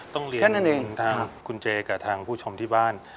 เรียนทางคุณเจกับทางผู้ชมที่บ้าน